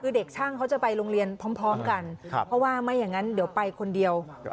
คือเด็กช่างเขาจะไปโรงเรียนพร้อมกันเพราะว่าไม่อย่างนั้นเดี๋ยวไปคนเดียว